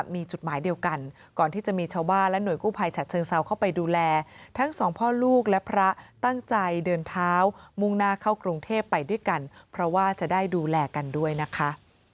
มีจุดหมายเดียวกันก่อนที่จะมีชาวบ้านและหน่วยกู้ภัยฉัดเชิงเซาเข้าไปดูแลทั้งสองพ่อลูกและพระตั้งใจเดินเท้ามุ่งหน้าเข้ากรุงเทพไปด้วยกันเพราะว่าจะได้ดูแลกันด้วยนะคะ